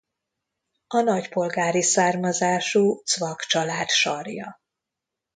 A nagypolgári származású Zwack család sarja.